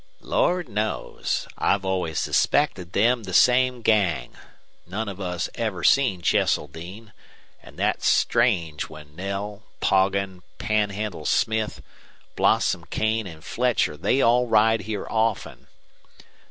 "Lord knows. I've always suspected them the same gang. None of us ever seen Cheseldine an' thet's strange, when Knell, Poggin, Panhandle Smith, Blossom Kane, and Fletcher, they all ride here often.